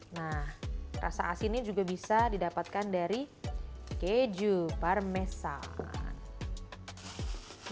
nah rasa asinnya juga bisa didapatkan dari keju parmesan